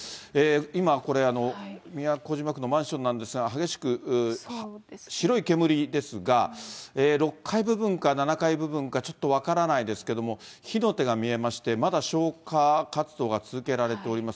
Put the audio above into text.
今これ、都島区のマンションなんですが、激しく、白い煙ですが、６階部分か７階部分か、ちょっと分からないですけども、火の手が見えまして、まだ消火活動が続けられております。